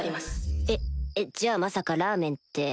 えっじゃあまさかラーメンって